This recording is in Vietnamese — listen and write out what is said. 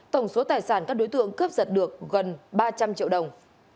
tổng số tài sản các đối tượng cướp giật được gần ba trăm linh triệu đồng